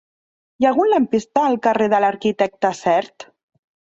Hi ha algun lampista al carrer de l'Arquitecte Sert?